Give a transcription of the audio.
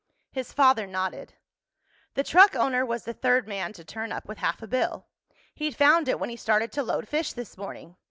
His father nodded. "The truck owner was the third man to turn up with half a bill. He'd found it when he started to load fish this morning.